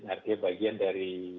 artinya bagian dari